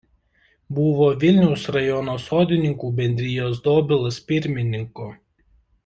Buvo Vilniaus rajono sodininkų bendrijos „Dobilas“ pirmininku.